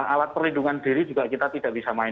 alat perlindungan diri juga kita tidak bisa main